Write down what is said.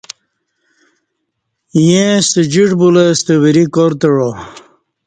ییں ستہ جِیݜٹ بُولہ ستہ وری کار تعہ